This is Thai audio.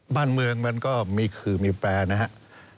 บ้านเมืองมันก็มีขื่อมีแปรนะครับ